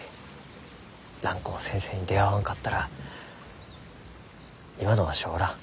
蘭光先生に出会わんかったら今のわしはおらん。